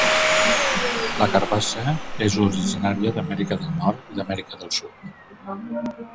La carbassa és originaria d'Amèrica del Nord i d'Amèrica del Sud.